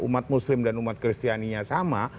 umat muslim dan umat kristianinya sama